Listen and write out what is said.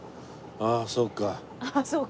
「ああそうか」。